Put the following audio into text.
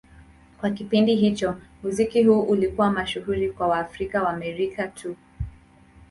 Kwa kipindi hicho, muziki huu ulikuwa mashuhuri kwa Waafrika-Waamerika tu.